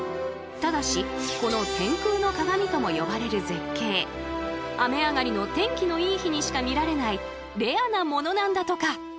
ただしこの「天空の鏡」とも呼ばれる絶景雨上がりの天気のいい日にしか見られないレアなものなんだとか。